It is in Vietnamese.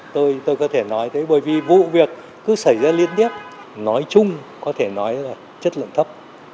tôi có thể nói tới bởi vì vụ việc cứ xảy ra liên tiếp nói chung có thể nói là chất lượng thấp